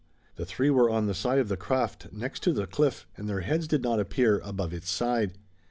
The three were on the side of the craft next to the cliff and their heads did not appear above its side.